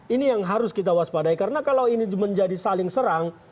ini yang harus kita waspadai karena kalau ini menjadi saling serang